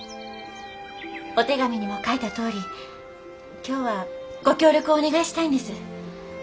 お手紙にも書いたとおり今日はご協力をお願いしたいんです。